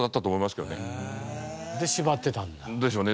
で縛ってたんだ。でしょうね。